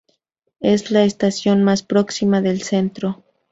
Es la estación más próxima del Centro.